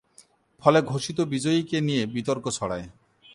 ফলে ঘোষিত বিজয়ীকে নিয়ে বিতর্ক ছড়ায়।